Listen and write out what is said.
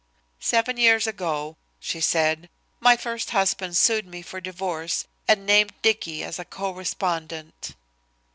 "Seven years ago," she said, "my first husband sued me for divorce, and named Dicky as a co respondent."